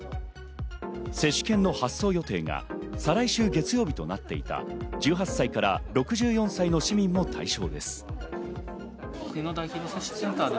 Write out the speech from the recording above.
接種券の発送予定が再来週、月曜日となっていた１８歳から６４歳の市民も対象です。